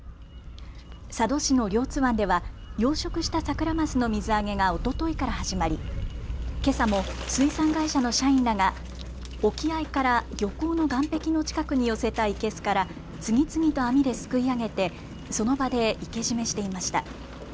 佐渡市の両津湾では養殖したサクラマスの水揚げがおとといから始まりけさも水産会社の社員らが沖合から漁港の岸壁の近くに寄せた生けすから次々と網ですくい上げてその場で生け締めしていました。